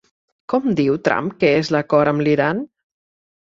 Com diu Trump que és l'acord amb l'Iran?